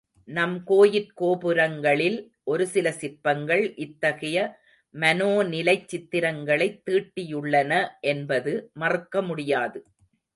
நம் கோயிற் கோபுரங்களில் ஒரு சில சிற்பங்கள் இத்தகைய மனோநிலைச் சித்திரங்களைத் தீட்டியுள்ளன என்பது மறுக்கமுடியாது.